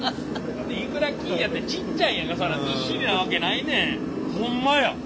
いくら金やてちっちゃいやんかそらずっしりなわけないねん！